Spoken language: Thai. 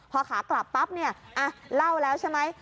พอขากลับปั๊บเนี่ยเล่าแล้วใช่ไหม